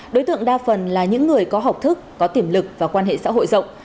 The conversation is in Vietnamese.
đối tượng đa phần là những người có học thức có tiềm lực và quan hệ xã hội rộng